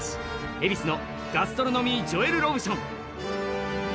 恵比寿のガストロノミージョエル・ロブ